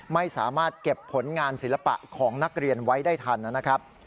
ไม่สามารถเก็บผลงานศิลปะของนักเรียนไว้ได้ทันนะครับ